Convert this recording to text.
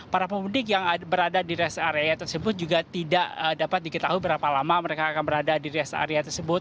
para pemudik yang berada di rest area tersebut juga tidak dapat diketahui berapa lama mereka akan berada di rest area tersebut